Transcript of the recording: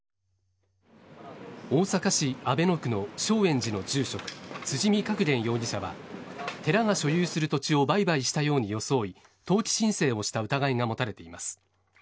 大阪市阿倍野区の正圓寺の住職辻見覚彦容疑者は寺が所有する土地を売買したように装い登記申請をした疑いが持たれています。